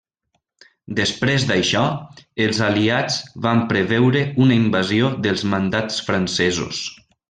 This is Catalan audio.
Després d'això, els aliats van preveure una invasió dels mandats francesos.